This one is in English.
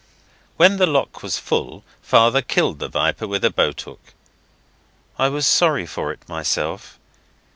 When the lock was full father killed the viper with a boat hook. I was sorry for it myself.